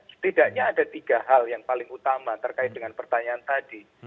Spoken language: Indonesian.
setidaknya ada tiga hal yang paling utama terkait dengan pertanyaan tadi